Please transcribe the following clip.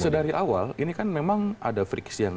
sedari awal ini kan memang ada friks yang sangat